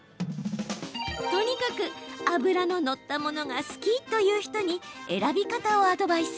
とにかく脂の乗ったものが好きという人に選び方をアドバイス。